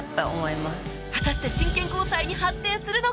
果たして真剣交際に発展するのか？